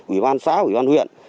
ủy ban xã ủy ban huyện